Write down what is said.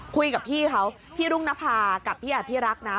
คุยกับพี่เขาพี่รุ่งนภากับพี่อภิรักษ์นะ